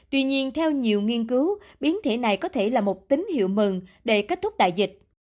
tuy nhiên theo nhiều nghiên cứu biến thể này có thể là một tín hiệu mừng để kết thúc đại dịch